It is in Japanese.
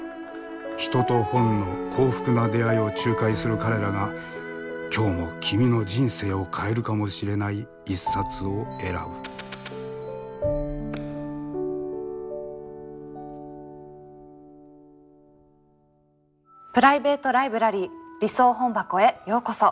人と本の幸福な出会いを仲介する彼らが今日も君の人生を変えるかもしれない一冊を選ぶプライベート・ライブラリー理想本箱へようこそ。